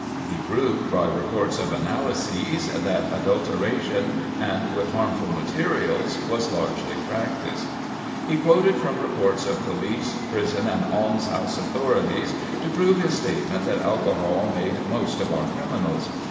He proved by reports of analyses, that adulteration, and with harmful materials, was largely practiced. He quoted from reports of police, prison and almshouse authorities, to prove his statement that alcohol made most of our criminals.